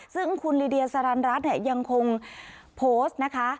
ซึ่งคุณลิเดียสารันรัฐเนี่ยยังคงโพสต์นะคะ